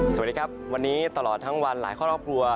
สวัสดีครับวันนี้ตลอดทั้งวันหลายครอบครัว